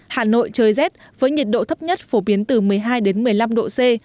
hà nội trời rét với nhiệt độ thấp nhất phổ biến từ một mươi hai đến một mươi năm độ c